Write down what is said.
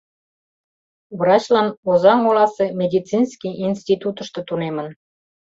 Врачлан Озаҥ оласе медицинский институтышто тунемын.